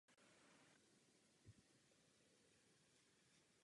Kříž stojí v místech údajného hromadného hrobu.